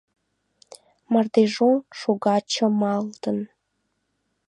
Мардежоҥ шога чымалтын